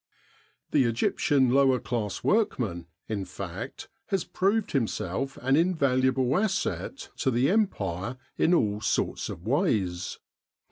The Egyptian lower class workman, in fact, has proved himself an invaluable asset to the Empire in all sorts of ways.